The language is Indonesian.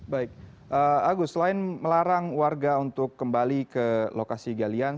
baik agus selain melarang warga untuk kembali ke lokasi galian